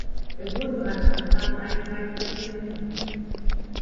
Es wurden bereits Anfragen eingereicht, doch sie genügen nicht.